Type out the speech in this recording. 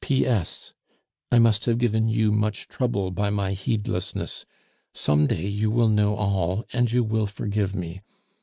"P. S. I must have given you much trouble by my heedlessness; some day you will know all, and you will forgive me.